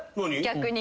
逆に。